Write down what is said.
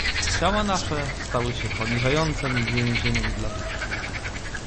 "Ciała nasze stały się poniżającem więzieniem dla duszy."